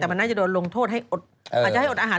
แต่มันน่าจะโดนโทษแทยอดอาหาร